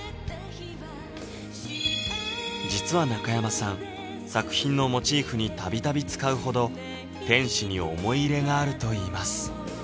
実は中山さん作品のモチーフに度々使うほど天使に思い入れがあるといいます